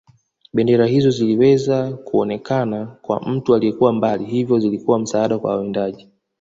Bendera hizo ziliweza kuonekana kwa mtu aliyekuwa mbali hivyo zilikuwa msaada kwa wawindaji